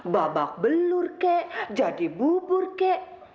babak belur kek jadi bubur kek